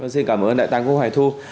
xin cảm ơn đại tàng quốc hoài thu